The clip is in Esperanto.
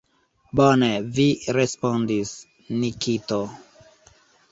Bone vi respondis, Nikito!